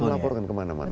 bisa melaporkan kemana mana